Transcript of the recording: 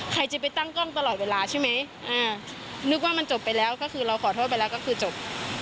ใครจะไปตั้งกล้องตลอดเวลาใช่ไหมอ่านึกว่ามันจบไปแล้วก็คือเราขอโทษไปแล้วก็คือจบ